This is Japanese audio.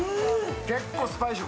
結構スパイシー。